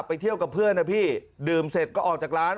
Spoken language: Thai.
ไปเที่ยวกับเพื่อนนะพี่ดื่มเสร็จก็ออกจากร้าน